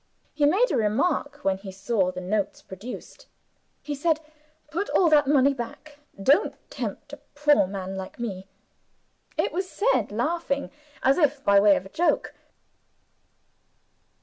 He made a remark when he saw the notes produced. He said, "Put all that money back don't tempt a poor man like me!" It was said laughing, as if by way of a joke.